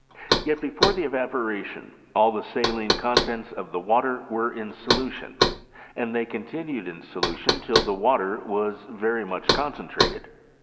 Yet before the evaporation, all the saUne contents of the water were in solution, and they continued in solution till the water was very much concentrated.